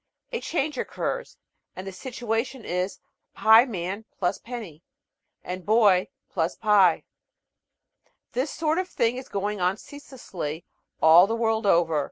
A change occurs, and the situation is "Pieman + penny" and "Boy + pie." This sort of thing is going on ceaselessly all the world over.